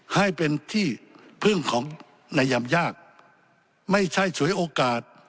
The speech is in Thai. ให้เป็นที่พึ่งของในยามยากไม่ใช่ฉวยโอกาส